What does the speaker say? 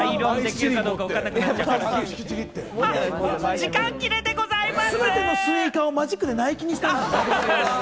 時間切れでございます！